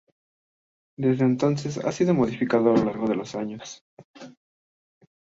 Desde entonces ha sido modificado a lo largo de los años.